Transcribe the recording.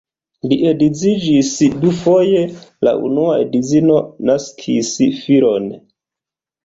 Li edziĝis dufoje, la unua edzino naskis filon.